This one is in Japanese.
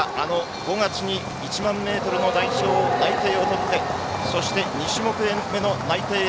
５月に１００００ｍの代表内定を取ってそして２種目目の内定へ。